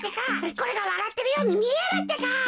これがわらってるようにみえるってか？